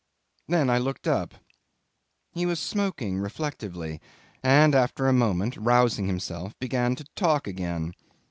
Then I looked up. He was smoking reflectively, and after a moment, rousing himself, began to talk again.